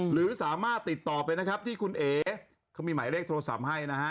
หรือสามารถติดต่อไปนะครับที่คุณเอ๋เขามีหมายเลขโทรศัพท์ให้นะฮะ